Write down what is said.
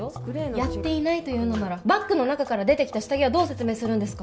やっていないと言うのならバッグの中から出てきた下着はどう説明するんですか？